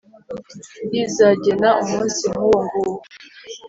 Y’izagena umunsi nkuwo nguwo